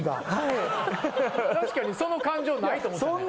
確かにその感情ないと思ってたね。